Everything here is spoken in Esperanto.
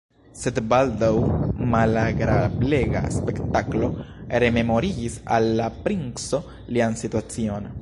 Sed baldaŭ malagrablega spektaklo rememorigis al la princo lian situacion.